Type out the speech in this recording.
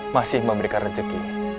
masih memberikan rezeki